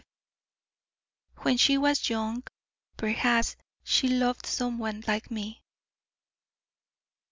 "WHEN SHE WAS YOUNG, PERHAPS SHE LOVED SOME ONE LIKE ME."